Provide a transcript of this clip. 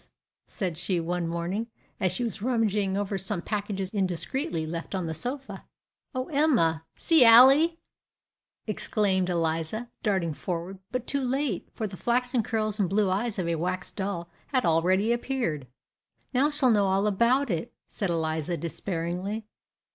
said she, one morning, as she was rummaging over some packages indiscreetly left on the sofa. "O Emma! see Ally!" exclaimed Eliza, darting forward; but too late, for the flaxen curls and blue eyes of a wax doll had already appeared. "Now she'll know all about it," said Eliza, despairingly.